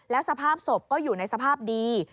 แล้วสภาพศพก็อยู่ในสภาพดี